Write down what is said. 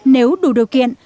nếu đủ điều kiện